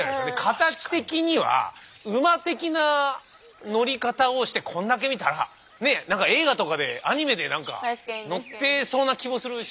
形的には馬的な乗り方をしてこれだけ見たらねえ何か映画とかでアニメで何か乗ってそうな気もするし。